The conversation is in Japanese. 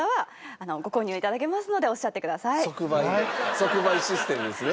即売システムですね。